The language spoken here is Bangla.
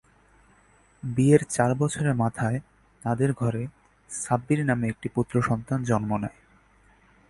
বিয়ের চার বছরের মাথায় তাঁদের ঘরে ছাব্বির নামের একটি পুত্রসন্তান জন্ম নেয়।